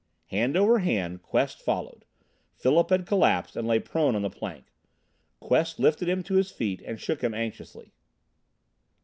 Hand over hand Quest followed. Philip had collapsed and lay prone on the plank. Quest lifted him to his feet and shook him anxiously.